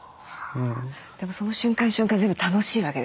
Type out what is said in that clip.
でもその瞬間瞬間全部楽しいわけですか？